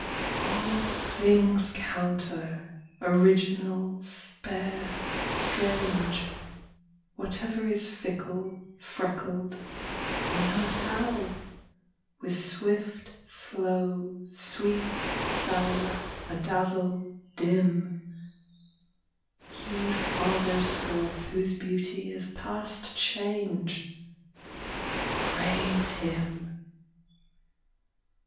All things counter, original, spare, strange; Whatever is fickle, freckled (who knows how?) With swift, slow; sweet, sour; adazzle, dim; He fathers forth whose beauty is past change: Praise him.